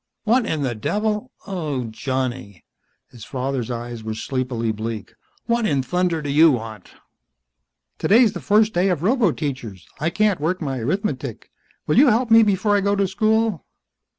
"What in the devil? Oh, Johnny." His father's eyes were sleepily bleak. "What in thunder do you want?" "Today's the first day of roboteachers. I can't work my arithmetic. Will you help me before I go to school?"